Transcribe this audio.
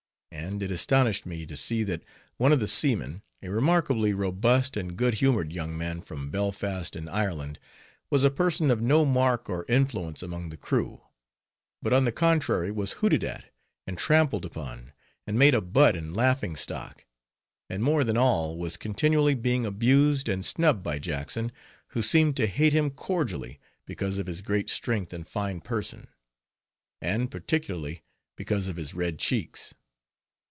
And it astonished me, to see that one of the seamen, a remarkably robust and good humored young man from Belfast in Ireland, was a person of no mark or influence among the crew; but on the contrary was hooted at, and trampled upon, and made a butt and laughing stock; and more than all, was continually being abused and snubbed by Jackson, who seemed to hate him cordially, because of his great strength and fine person, and particularly because of his red cheeks.